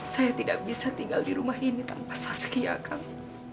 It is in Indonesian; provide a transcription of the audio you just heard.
saya tidak bisa tinggal di rumah ini tanpa saskia kami